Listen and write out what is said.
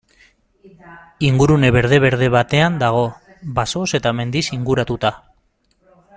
Ingurune berde-berde batean dago, basoz eta mendiz inguratuta.